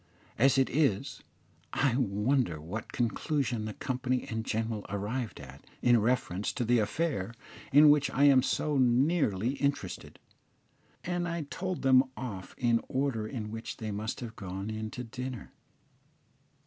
As it is, I wonder what conclusion the company in general arrived at in reference to the affair in which I am so nearly interested, and I told them off in the order in which they must have gone in to dinner.